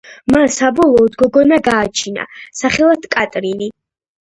მან საბოლოოდ გოგონა გააჩინა, სახელად კატრინი.